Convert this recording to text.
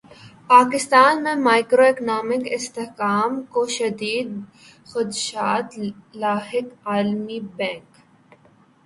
پاکستان میں macro economic استحکام کو شدید خدشات لاحق عالمی بینک